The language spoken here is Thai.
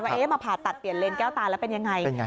ว่ามาผ่าตัดเปลี่ยนเลนแก้วตาแล้วเป็นยังไง